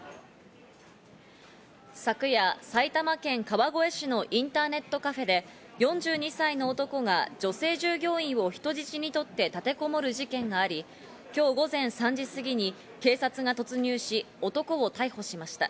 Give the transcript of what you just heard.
昨夜、埼玉県川越市のインターネットカフェで４２歳の男が女性従業員を人質に取って立てこもる事件があり、今日午前３時すぎに警察が突入し、男を逮捕しました。